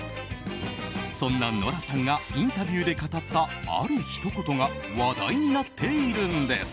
そんなノラさんがインタビューで語ったあるひと言が話題になっているんです。